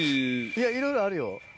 いやいろいろあるよ。